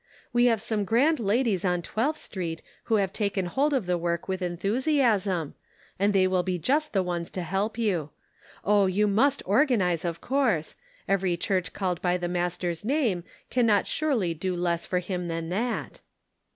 We have some grand ladies on Twelfth Street who have taken hold of the work with enthusiasm, and they will be just the ones to help you ; oh, you must organize, of course ; every church called by the Master's name can not surely do less for him than that."